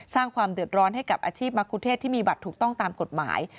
สร้างความเดือดร้อนให้กับอาชีพมะคุเทศที่มีบัตรถูกต้องตามกฎหมาย